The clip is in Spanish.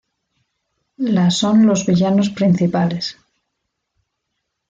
La son los villanos principales.